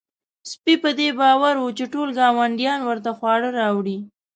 سپی په دې باور و چې ټول ګاونډیان ورته خواړه راوړي.